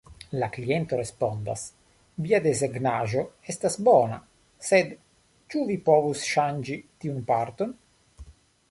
La kliento respondas: "Via desegnaĵo estas bona, sed ĉu vi povus ŝanĝi tiun parton?".